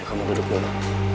ya kamu duduk dulu